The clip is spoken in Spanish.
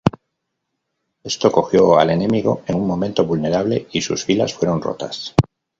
Esto cogió al enemigo en un momento vulnerable, y sus filas fueron rotas.